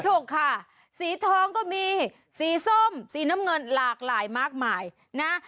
ถูกค่ะสีทองก็มีสีส้มสีน้ำเงินหลากหลายมากมายนะ